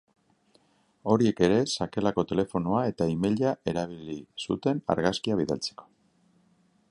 Horiek ere sakelako telefonoa eta emaila erabili zuten argazkia bidaltzeko.